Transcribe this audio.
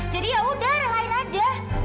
jadi ya udah relain aja